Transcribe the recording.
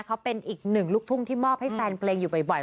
เขาเป็นอีกหนึ่งลูกทุ่งที่มอบให้แฟนเพลงอยู่บ่อย